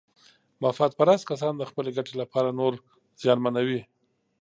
مفاد پرست کسان د خپلې ګټې لپاره نور زیانمنوي.